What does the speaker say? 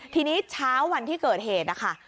ทีนี้เช้าวันที่เกิดเหตุนะคะ